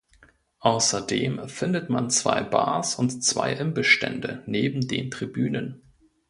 Außerdem findet man zwei Bars und zwei Imbissstände neben den Tribünen.